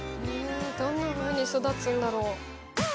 どんなふうに育つんだろう。